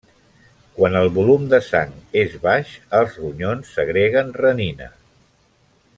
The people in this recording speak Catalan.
Quan el volum de sang és baix, els ronyons segreguen renina.